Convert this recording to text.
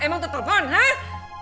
emang tuh telepon hah